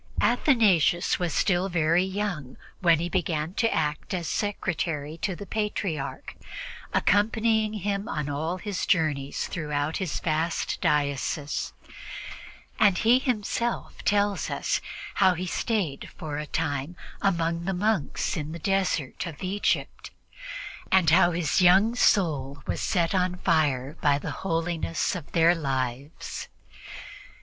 Athanasius was still very young when he began to act as secretary to the Patriarch, accompanying him on all his journeys throughout his vast diocese; and he himself tells us how he stayed for a time among the monks in the desert of Egypt and how his young soul was set on fire by the holiness of their lives.